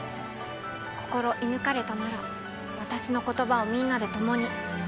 心射抜かれたなら私の言葉をみんなで共に。